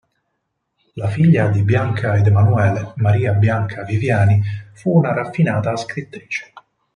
La figlia di Bianca ed Emanuele, Maria Bianca Viviani, fu una raffinata scrittrice.